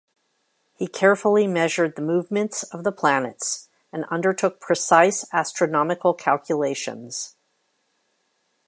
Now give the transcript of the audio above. He carefully measured the movements of the planets and undertook precise astronomical calculations.